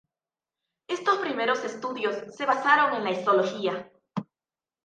Estos primeros estudios se basaron en la histología.